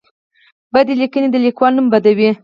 بدې لیکنې د لیکوال نوم بدوي.